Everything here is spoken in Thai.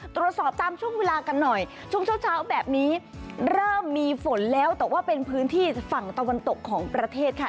ตรวจสอบตามช่วงเวลากันหน่อยช่วงเช้าแบบนี้เริ่มมีฝนแล้วแต่ว่าเป็นพื้นที่ฝั่งตะวันตกของประเทศค่ะ